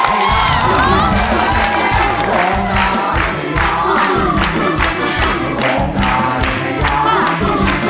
เพลงที่๒มูลค่า๒๐๐๐๐บาทน้องมิวร้อง